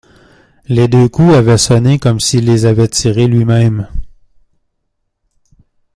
Les deux coups avaient sonné comme s’il les avait tirés lui-même.